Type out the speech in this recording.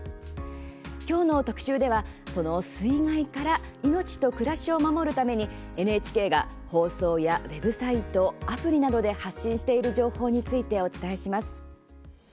今日の特集では水害から命と暮らしを守るためにＮＨＫが放送やウェブサイト、アプリなどで発信している情報についてお伝えします。